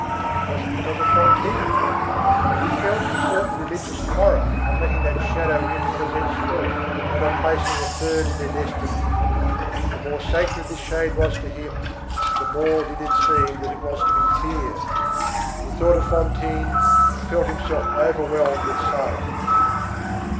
Was it because of Fantine? He felt a certain religious horror at letting that shadow enter Cosette's thought; and of placing a third in their destiny. The more sacred this shade was to him, the more did it seem that it was to be feared. He thought of Fantine, and felt himself overwhelmed with silence.